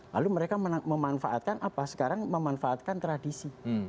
lalu mereka memanfaatkan apa sekarang memanfaatkan tradisi